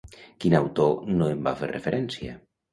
Quin autor no en va fer referència?